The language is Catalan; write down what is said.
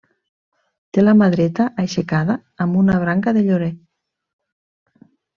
Té la mà dreta aixecada amb una branca de llorer.